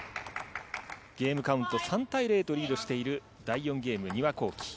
ゲームカウント３対０とリードしている第４ゲーム、丹羽孝希。